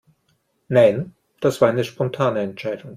Nein, das war eine spontane Entscheidung.